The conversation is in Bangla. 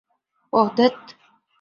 ওহ, ধ্যাত!